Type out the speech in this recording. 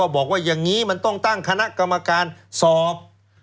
บอกว่าอย่างนี้มันต้องตั้งคณะกรรมการสอบ